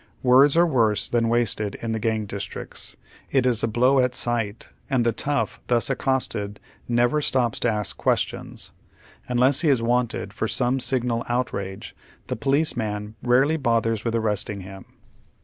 Words are worse than wasted in the gang districts. It is a blow at sight, and the tough thus accosted never stops oy Google 926 HOW THE OTIIEK HALF LIVES. to ask queetione. Unless lie is " wanted " for some signal outrage, the policeman rarely bothers with arresting him.